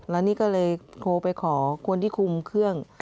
แล้วนี่ก็เลยโทรไปขอคนที่คุมเครื่อง